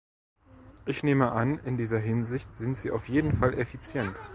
Ich nehme an, in dieser Hinsicht sind sie auf jeden Fall effizient.